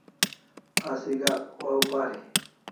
Asi gak waw pari